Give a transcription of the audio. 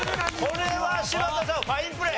これは柴田さんファインプレー。